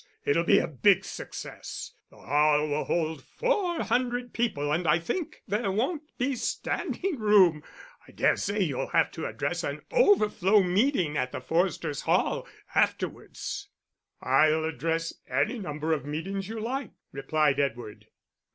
It'll be a big success. The hall will hold four hundred people and I think there won't be standing room. I dare say you'll have to address an overflow meeting at the Forresters Hall afterwards." "I'll address any number of meetings you like," replied Edward.